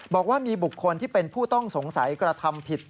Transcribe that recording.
บอกว่ามีบุคคลที่เป็นผู้ต้องสงสัยกระทำผิด